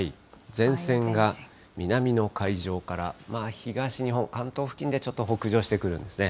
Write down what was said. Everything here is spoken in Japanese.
前線が南の海上から東日本、関東付近でちょっと北上してくるんですね。